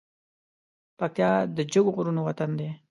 پکتيا د جګو غرو وطن دی